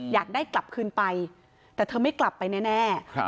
อยากได้กลับคืนไปแต่เธอไม่กลับไปแน่